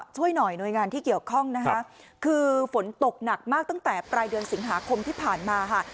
ช่วยหน่อยหน่วยงานที่เกี่ยวข้องนะคะคือฝนตกหนักมากตั้งแต่ปลายเดือนสิงหาคมที่ผ่านมาค่ะ